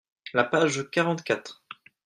La page quarante-quatre.